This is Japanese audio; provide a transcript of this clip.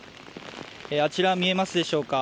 あちら、見えますでしょうか。